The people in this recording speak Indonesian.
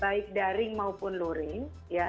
baik daring maupun luring